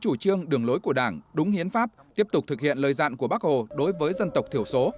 hồ chương đường lối của đảng đúng hiến pháp tiếp tục thực hiện lời dạng của bắc hồ đối với dân tộc thiểu số